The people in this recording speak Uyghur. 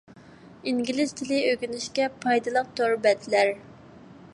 ئىنگلىز تىلى ئۆگىنىشكە پايدىلىق تور بەتلەر.